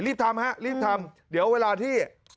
รีบทำฮะรีบทำเดี๋ยวเวลาที่